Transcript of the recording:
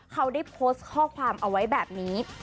เขาได้โพสต์ข้อความเอาไว้แบบนี้